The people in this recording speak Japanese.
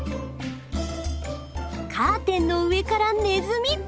カーテンの上からネズミ！